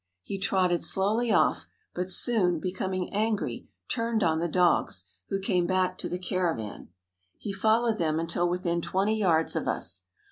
He trotted slowly off, but soon, becoming angry, turned on the dogs, who came back to the caravan. He followed them until within twenty yards of us.